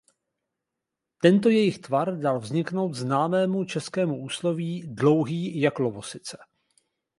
Tento jejich tvar dal vzniknout známému českému úsloví „"dlouhý jak Lovosice"“.